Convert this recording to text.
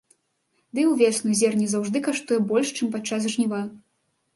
Ды і ўвесну зерне заўжды каштуе больш, чым падчас жніва.